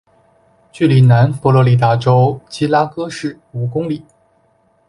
距离南佛罗里达州基拉戈市五公里。